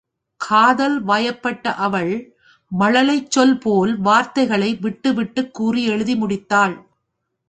காதல் வயப்பட்ட அவள் மழலைச் சொல் போல் வார்த்தைகளை விட்டுவிட்டுக் கூறி எழுதி முடித்தாள்.